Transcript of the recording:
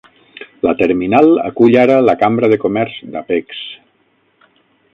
La terminal acull ara la Cambra de comerç d"Apex.